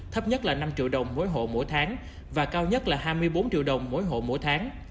thấp nhất là năm triệu đồng mỗi hộ mỗi tháng và cao nhất là hai mươi bốn triệu đồng mỗi hộ mỗi tháng